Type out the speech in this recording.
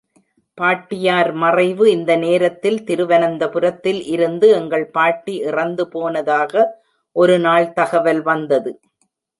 பாட்டியார் மறைவு இந்த நேரத்தில் திருவனந்தபுரத்தில் இருந்து எங்கள் பாட்டி இறந்து போனதாக ஒருநாள் தகவல் வந்தது.